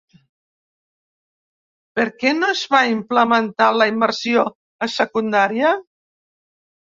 Per què no es va implementar la immersió a secundària?